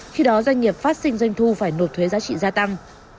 khi đó doanh nghiệp phát sinh doanh thu phải nộp thuế giá trị gia tăng